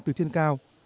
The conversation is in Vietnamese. từ trên cao